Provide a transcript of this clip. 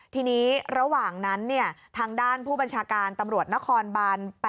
ทีนี้ระหว่างนั้นทางด้านผู้บัญชาการตำรวจนครบาน๘